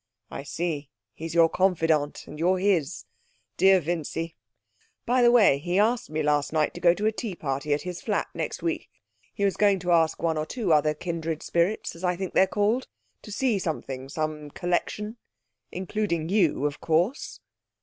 'I see; he's your confidant, and you're his. Dear Vincy. By the way, he asked me last night to go to a tea party at his flat next week. He was going to ask one or two other kindred spirits as I think they're called. To see something some collection. Including you, of course?'